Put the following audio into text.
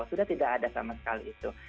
sudah tidak ada sama sekali itu